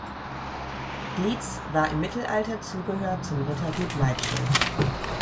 Glietz war im Mittelalter Zubehör zum Rittergut Leibchel.